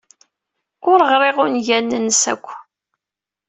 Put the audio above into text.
Ur ɣriɣ ungalen-nnes akk.